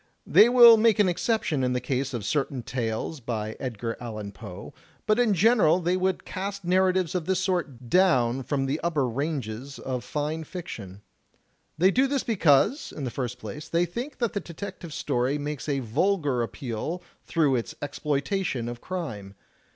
They will THE LITERATURE OF MYSTERY II make an exception in the case of certain tales by Edgar Allan Poe, but in general they would cast narratives of this sort down from the upper ranges of fine fiction. They do this because, in the first place, they think that the detective story makes a vulgar appeal through its exploitation of crime.